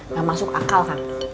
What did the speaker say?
gak masuk akal kan